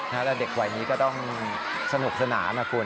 แล้วเด็กวัยนี้ก็ต้องสนุกสนานนะคุณ